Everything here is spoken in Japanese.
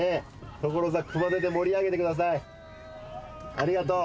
ありがとう。